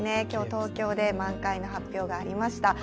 今日、東京で満開の発表がありました。